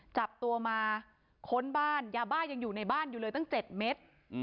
จับตัวมาค้นบ้านยาบ้ายังอยู่ในบ้านอยู่เลยตั้ง๗เมตร